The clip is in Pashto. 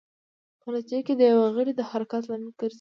په نتېجه کې د یو غړي د حرکت لامل ګرځي.